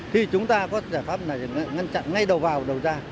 thì chúng ta có giải pháp này ngăn chặn ngay đầu vào đầu ra